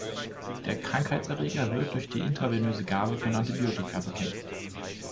Der Krankheitserreger wird durch die intravenöse Gabe von Antibiotika bekämpft.